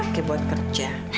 pake buat kerja